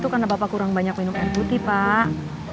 karena bapak kurang banyak minum air putih pak